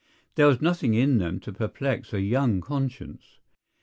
There was nothing in them to perplex a young conscience.